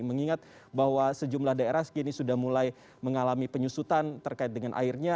mengingat bahwa sejumlah daerah kini sudah mulai mengalami penyusutan terkait dengan airnya